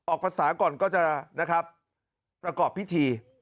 ออกภัณฑ์ศาสตร์ก่อนก็จะนะครับประกอบพิธี